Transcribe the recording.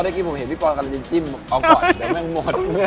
พอได้กินผมเห็นพี่กรการรีจิ้มเอาก่อนเดี๋ยวมันหมด